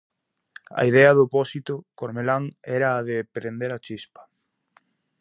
A idea do pósito cormelán era a de prender a chispa.